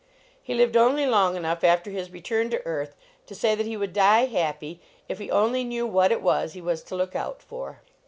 He lived only long enough, after his return to earth, to say that he would die happy if he only knew what it was he was to look out for."